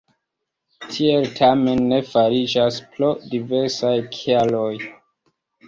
Tiel tamen ne fariĝas, pro diversaj kialoj.